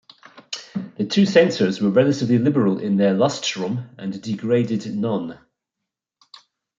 The two censors were relatively liberal in their "lustrum" and degraded none.